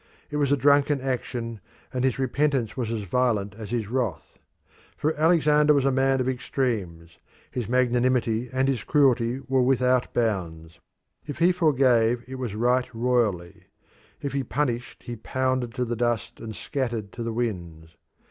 It was a drunken action, and his repentance was as violent as his wrath. For Alexander was a man of extremes: his magnanimity and his cruelty were without bounds. If he forgave it was right royally; if he punished he pounded to the dust and scattered to the winds.